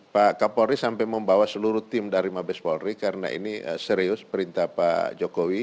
pak kapolri sampai membawa seluruh tim dari mabes polri karena ini serius perintah pak jokowi